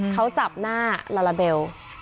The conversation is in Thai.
เขาจับหน้าลาลาเบล